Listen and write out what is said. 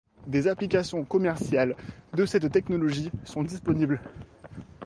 Des applications commerciales de cette technologie sont disponibles.